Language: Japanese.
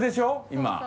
今。